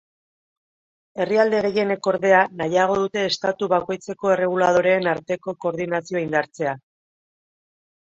Herrialde gehienek, ordea, nahiago dute estatu bakoitzeko erreguladoreen arteko koordinazioa indartzea.